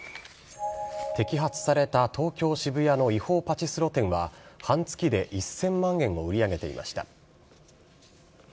摘発された東京・渋谷の違法パチスロ店は、半月で１０００万円を売り上げていました。